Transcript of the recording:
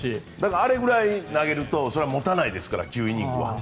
あれぐらい投げると持たないですから１０イニングは。